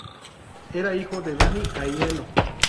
Era hijo de Danny Aiello.